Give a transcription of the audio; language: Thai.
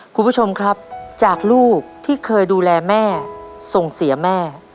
คุณผู้ชมครับจากลูกที่เคยดูแลแม่ส่งเสียแม่